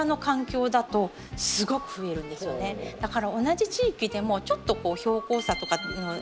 だから同じ地域でもちょっと標高差とか